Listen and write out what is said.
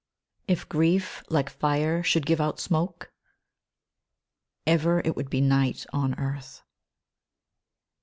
F grief like fire should give out smoke Ever it would be night on earth.